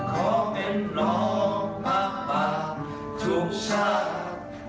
ขอเป็นรองมากมายทุกชาติ